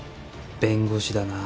弁護士だな。